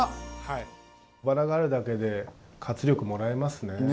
バラがあるだけで活力もらえますね。